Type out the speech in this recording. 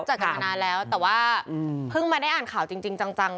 เจอกันมานานแล้วแต่ว่าเพิ่งมาได้อ่านข่าวจริงจัง